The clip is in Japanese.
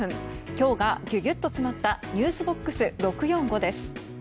今日がギュギュッと詰まったｎｅｗｓＢＯＸ６４５です。